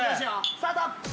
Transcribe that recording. スタート！